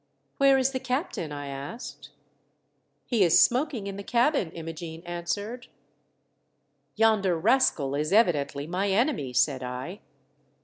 "Where is the captain ?" I asked. " He is smoking in the cabin," Imogene answered. "Yonder rascal is evidently my enemy," said I.